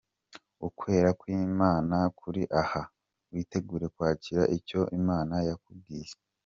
Ukwera kw’Imana kuri aha, witegure kwakira icyo Imana yakubikiye.